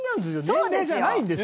年齢じゃないんですよ。